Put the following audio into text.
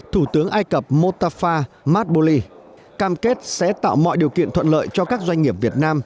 thủ tướng ai cập motafa matboli cam kết sẽ tạo mọi điều kiện thuận lợi cho các doanh nghiệp việt nam